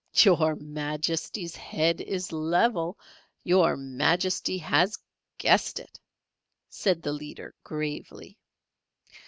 "Your Majesty's head is level! Your Majesty has guessed it!" said the leader, gravely.